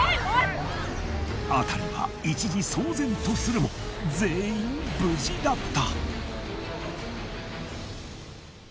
辺りは一時騒然とするも全員無事だった！